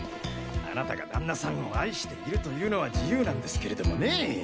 あなたが旦那さんを愛しているというのは自由なんですけれどもね。